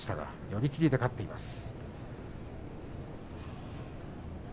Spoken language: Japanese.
寄り切りで勝っています。